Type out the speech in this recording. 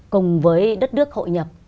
cùng với đất nước hội nhập